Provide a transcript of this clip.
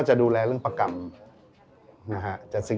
ชื่องนี้ชื่องนี้ชื่องนี้ชื่องนี้